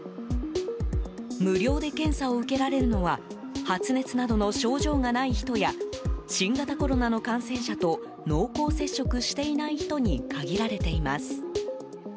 無料で検査を受けられるのは発熱などの症状がない人や新型コロナの感染者と濃厚接触していない人に限られています。